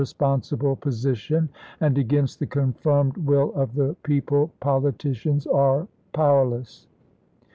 sponsible position ; and against the confirmed will of the people politicians are powerless."